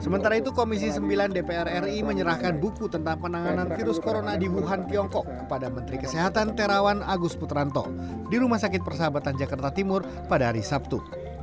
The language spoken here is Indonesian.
sementara itu komisi sembilan dpr ri menyerahkan buku tentang penanganan virus corona di wuhan tiongkok kepada menteri kesehatan terawan agus putranto di rumah sakit persahabatan jakarta timur pada hari sabtu